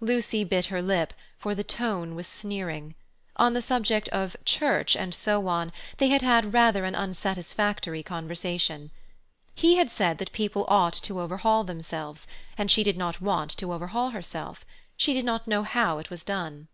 Lucy bit her lip, for the tone was sneering. On the subject of "church and so on" they had had rather an unsatisfactory conversation. He had said that people ought to overhaul themselves, and she did not want to overhaul herself; she did not know it was done.